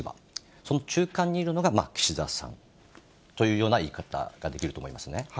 その中間にいるのが岸田さんというような言い方ができると思いますね。